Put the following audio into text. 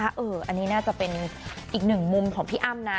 อันนี้น่าจะเป็นอีกหนึ่งมุมของพี่อ้ำนะ